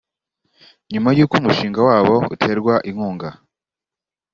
nyuma y’uko umushinga wabo uterwa inkunga